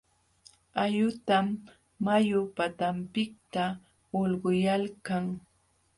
Ayutam mayu patanpiqta hulquyalkan.